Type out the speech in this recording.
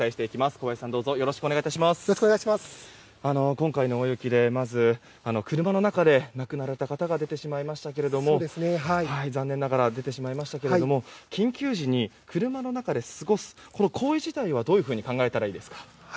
今回の大雪で、まず車の中で亡くなられた方が出てしまいましたが残念ながら出てしまいましたが緊急時に車の中で過ごすという行為自体はどういうふうに考えたらいいですか。